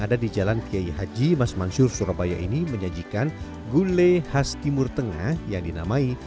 ada di jalan kiai haji mas mansyur surabaya ini menyajikan gule khas timur tengah yang dinamai